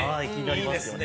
いいですね！